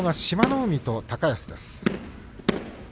海と高安です。